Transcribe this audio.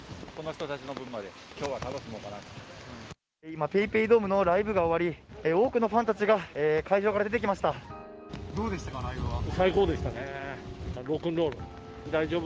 今、ＰａｙＰａｙドームのライブが終わり、多くのファンたちが会場から出てきました。